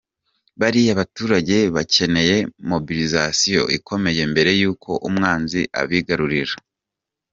Bariya baturage bakeneye mobilisation ikomeye mbere y’uko Umwanzi abigarurira.